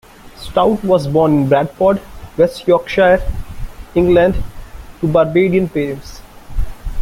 Stoute was born in Bradford, West Yorkshire, England to Barbadian parents.